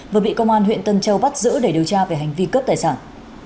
vừa bị công an huyện tân châu bắt giữ để điều tra về hành vi cướp tài sản